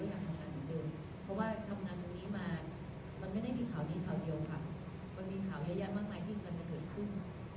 เหมือนเดิมเพราะว่าทำงานตรงนี้มามันไม่ได้มีข่าวดีข่าวเดียวค่ะมันมีข่าวเยอะแยะมากมายที่กำลังจะเกิดขึ้น